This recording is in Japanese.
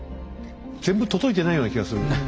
全部届いてないような気がする。